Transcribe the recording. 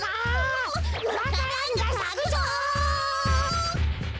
わか蘭がさくぞ！